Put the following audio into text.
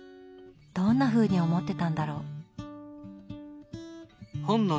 どんなふうに思ってたんだろう？